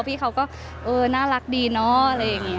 พี่เขาก็เออน่ารักดีเนาะอะไรอย่างนี้